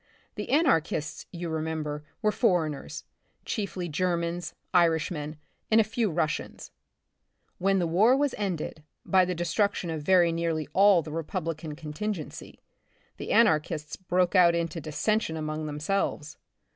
The anarchists, you remember, were foreigners, chiefly Germans, Irishmen and a few Russians. When the war was ended, by the de struction of very nearly all the Republican con tingency, the anarchists broke out into dissen sion among themselves.